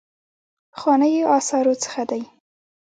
پخوانیو آثارو څخه دی.